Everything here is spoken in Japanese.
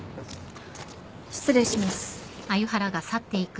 失礼します。